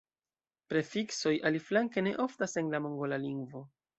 Prefiksoj, aliflanke, ne oftas en la mongola lingvo.